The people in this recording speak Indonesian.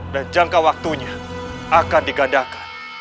dan jangka waktunya akan digadakan